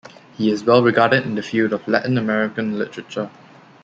He is well regarded in the field of Latin American literature.